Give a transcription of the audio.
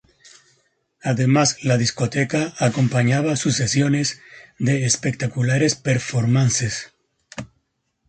Además la discoteca acompañaba sus sesiones de espectaculares "performances".